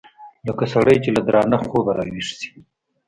لکه سړى چې له درانه خوبه راويښ سي.